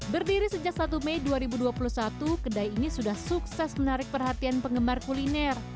berdiri sejak satu mei dua ribu dua puluh satu kedai ini sudah sukses menarik perhatian penggemar kuliner